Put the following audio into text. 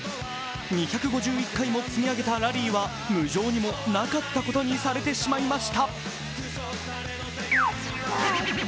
２５１回も積み上げたラリーは無情にもなかったことにされてしまいました。